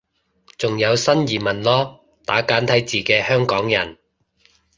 仲有新移民囉，打簡體字嘅香港人